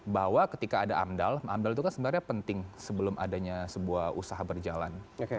bahwa ketika ada amdal amdal itu kan sebenarnya penting sebelum adanya sebuah usaha berjalan